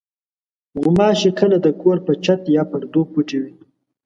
غوماشې کله د کور په چت یا پردو پټې وي.